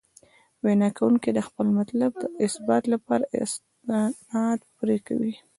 وینا کوونکي د خپل مطلب د اثبات لپاره استناد پرې کوي.